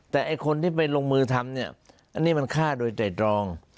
แต่ไอ้คนที่ไปลงมือทำเนี่ยอันนี้มันฆ่าโดยไตรตรอง